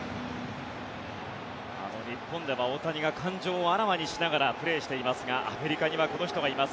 日本では大谷が感情をあらわにしながらプレーしていますがアメリカにはこの人がいます